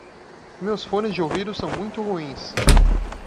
Meus fones de ouvido são muito ruins.